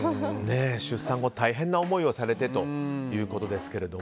出産後、大変な思いをされてということですけど。